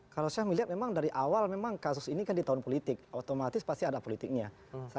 kalau saya melihat memang dari awal memang kasus ini kan di tahun politik otomatis pasti ada politiknya